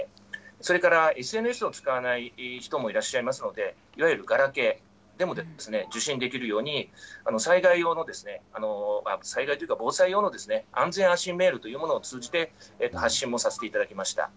それからＳＮＳを使わない人もいらっしゃいますので、いわゆるガラケーでも受信できるように、災害用の、災害というか、防災用の安全安心メールというものを通じて、発信もさせていただきました。